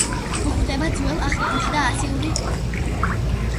გვხვდება ძველ აღთქმაში და ასირიულ სამეფო წარწერებში.